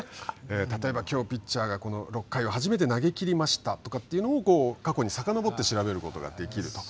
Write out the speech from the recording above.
例えば、きょうピッチャーが６回を初めて投げ切りましたとかを過去にさかのぼって調べることができると。